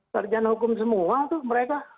sarjana hukum semua tuh mereka